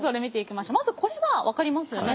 まずこれは分かりますよね。